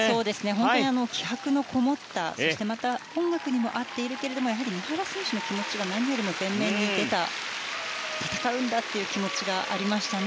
本当に気迫のこもったそして音楽にも合っているけども三原選手の気持ちが何よりも前面に出た戦うんだという気持ちがありましたね。